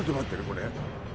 これ。